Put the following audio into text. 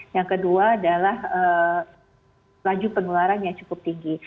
yang kedua adalah laju penularan yang cukup tinggi